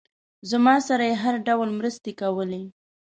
زما سره یې هر ډول مرستې کولې.